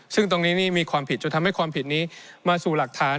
ซึ่งตรงนี้นี่มีความผิดจนทำให้ความผิดนี้มาสู่หลักฐาน